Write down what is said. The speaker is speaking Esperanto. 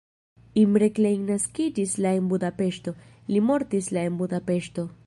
Imre Klein naskiĝis la en Budapeŝto, li mortis la en Budapeŝto.